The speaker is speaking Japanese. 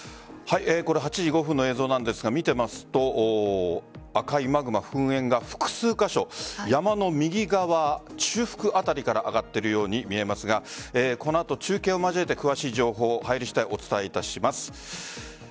８時５分の映像なんですが見ていますと赤いマグマ、噴煙が複数カ所山の右側、中腹辺りから上がっているように見えますがこの後、中継を交えて詳しい情報入り次第お伝えいたします。